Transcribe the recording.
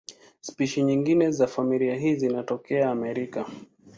Spishi nyingine za familia hii zinatokea Amerika.